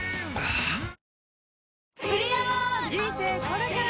はぁ人生これから！